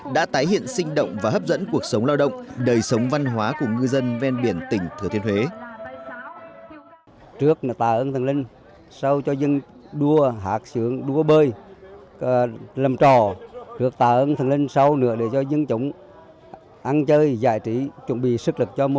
đã tái hiện sinh động và hấp dẫn cuộc sống lao động đời sống văn hóa của ngư dân ven biển tỉnh thừa thiên huế